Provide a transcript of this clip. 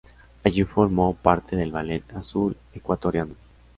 Allí formó parte del Ballet Azul ecuatoriano.